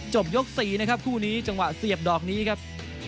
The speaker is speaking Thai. ยก๔นะครับคู่นี้จังหวะเสียบดอกนี้ครับ